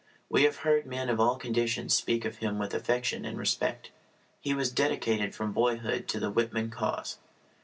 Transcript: We have heard men of all conditions speak of him with affection and respect. He was dedicated from boyhood to the Whitman cause.